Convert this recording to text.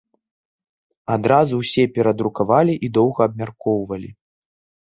Адразу ўсе перадрукавалі і доўга абмяркоўвалі.